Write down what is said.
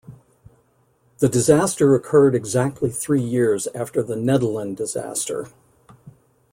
The disaster occurred exactly three years after the Nedelin disaster.